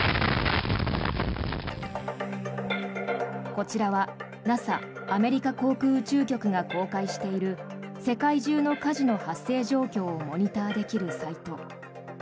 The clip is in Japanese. こちらはＮＡＳＡ・アメリカ航空宇宙局が公開している世界中の火事の発生状況をモニターできるサイト。